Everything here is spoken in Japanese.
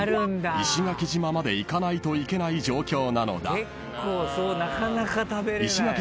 ［石垣島まで行かないといけない状況なのだ］